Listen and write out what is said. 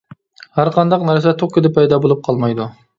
ھەرقانداق نەرسە توككىدە پەيدا بولۇپ قالمايدۇ.